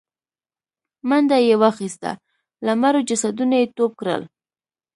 منډه يې واخيسته، له مړو جسدونو يې ټوپ کړل.